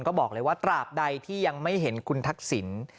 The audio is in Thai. ก็บอกเลยว่าตราบใดที่ยังไม่เห็นคุณทักษิณ